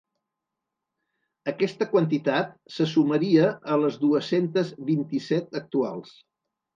Aquesta quantitat se sumaria a les dues-centes vint-i-set actuals.